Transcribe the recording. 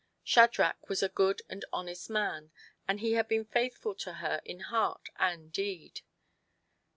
Shadrach was a good and honest man, and he had been faithful to her in heart and in deed.